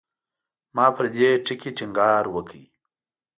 ما پر دې ټکي ټینګار وکړ.